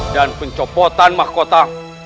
dan pencopotan mahkota